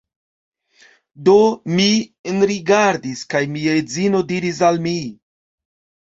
Do, mi enrigardis kaj mia edzino diris al mi